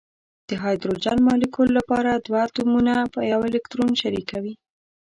د هایدروجن مالیکول لپاره دوه اتومونه یو الکترون شریکوي.